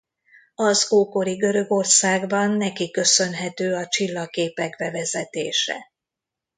Az ókori Görögországban neki köszönhető a csillagképek bevezetése.